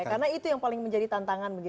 karena itu yang paling menjadi tantangan